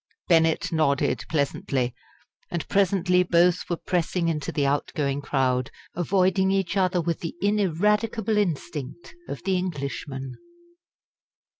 Bennett nodded pleasantly, and presently both were pressing into the out going crowd, avoiding each other with the ineradicable instinct of the Englishman.